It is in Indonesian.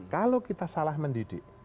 kalau kita salah mendidik